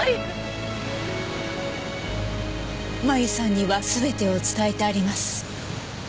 麻由さんには全てを伝えてあります。